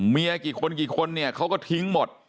กี่คนกี่คนเนี่ยเขาก็ทิ้งหมด